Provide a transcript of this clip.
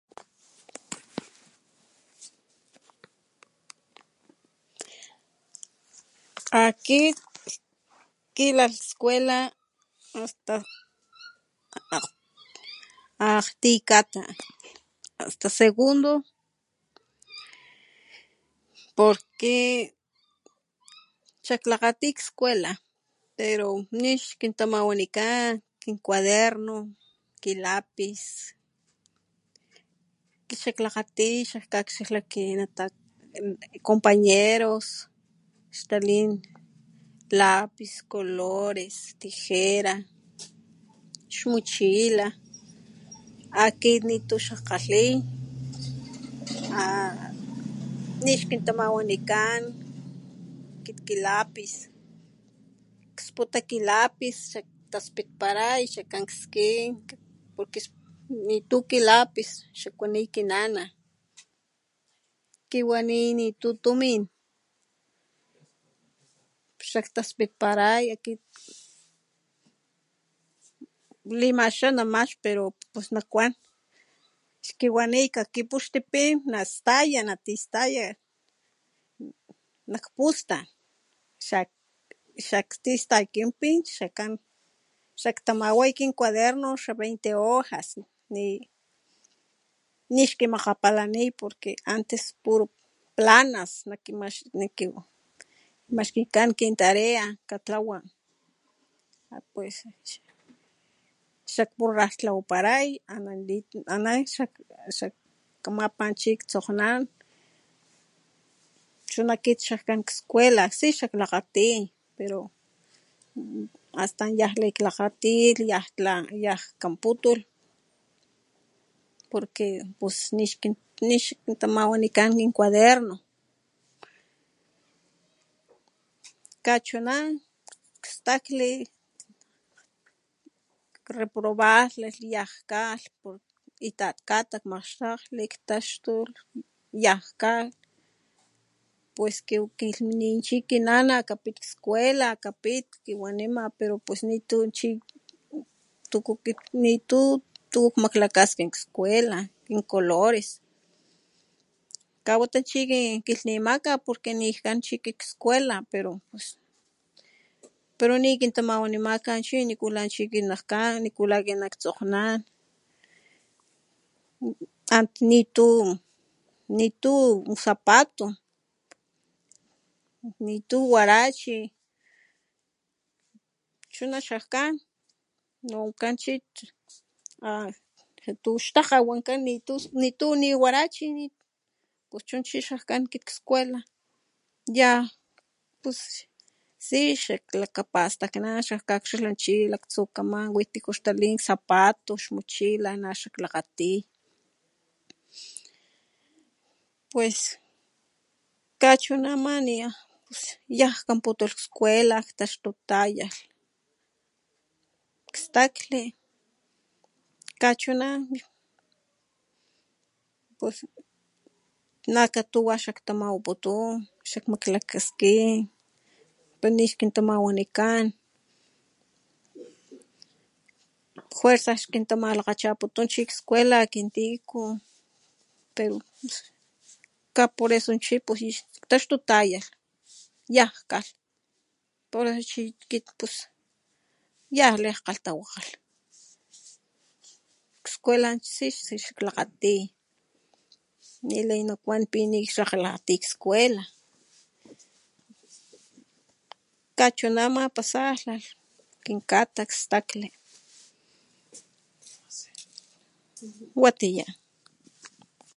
Akit jkilaj skuela hasta akg akgti kata hasta segundo porque xak klakgati skuela pero nixkintamawanikan kin cuaderno ki lápiz xak klakgati xak kakxila kinata kin compañeros xtalin lápiz, colores, tijera, xmochila akit nitu xajkgalhi a nixkintamawanikan ki lápiz sputa ki lápiz xak taspitpalay xa k´an skin porque sputa nitu ki lápiz xak kuani ki nana kiwani nitu tumin xak taspitpalay akit limaxana max pero pus nakuan xkiwani kakipuxti pin nastaya natistaya nak pustan xak tistay kin pin xa kan xak tamaway kin cuaderno xa veinte hojas ni nixkimakgapalani porque antes puru planas naki nakimaxkikan kin tarea pues xak forrartlawaparay aná ana chi kamapa chi tsokgnan chuna kit xakán nak skuela si xa klakgati pero astan yaniklakgatilh yaj kanputulh porque pus nix kintamawanikan kin cuaderno kachuna stakli reprobarlalh yan k'al itat kata kmakxtakgli ktaxtulh yaj k'al pus kin kilhmini chi kinana kapit skuela kapit kiwanima pero pus nitu chi tuku kit nitu tu kmaklakaskin skuela kin colores awata chi kin kilhmimaka porque nik'an chi kit skuela pero nikintamawanimaka chi nikula chi kit nak'an nikula kit naktsokgnan a nitu nitu zapato nitu huarache chuna xa k'an nawankan chi a katuxtakga nitu nitu ni huarache chu chi xak'an kit skuela yaj pus si xakklakapastaknan xak kakxila chi laktsukaman wi tiku xtalin zapato xmochila na xak klakgati pues kachunama niyaj kanputulh skuela ktaxtutayalh kstakli kachuna pus na katuwa xak tamawaputun xak maklakaskin pero nixkintamawanikan fuerzaj xkintamalakgachaputun chi skuela kin tiku pero pus ka por eso chi ktaxtutayalh yank'alh por eso chi kit pus yanla jkgalhtawakgalh skuela si, si xak klakgati nilay nakuan ni xak klakgati skuela kachunama pasarlalh kin ka'ta kstakli. Watiya.